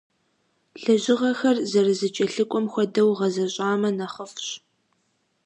Лэжьыгъэхэр зэрызэкӏэлъыкӏуэм хуэдэу гъэзэщӏамэ нэхъыфӏщ.